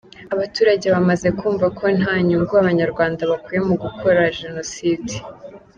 Abaturage bamaze kumva ko nta nyungu Abanyarwanda bakuye mu gukora Jenoside.